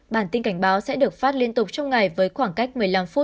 bản tin cảnh báo sẽ được phát liên tục trong ngày với khoảng cách một mươi năm phút